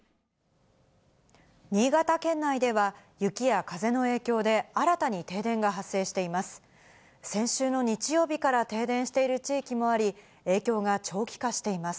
新潟県内では、雪や風の影響で、新たに停電が発生しています。